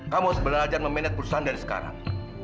kamu harus belajar memanage perusahaan dari sekarang